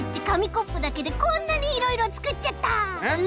コップだけでこんなにいろいろつくっちゃった。